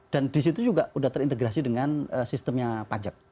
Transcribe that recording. dan di situ juga sudah terintegrasi dengan sistemnya pajak